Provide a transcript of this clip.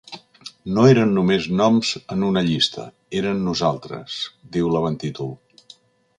No eren només noms en una llista, eren nosaltres, diu l’avanttítol.